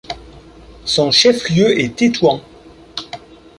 Son chef-lieu est Tétouan.